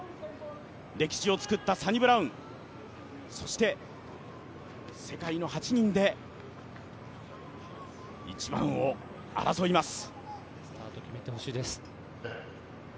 歴史を作ったサニブラウン、そして世界の８人で一番を争います。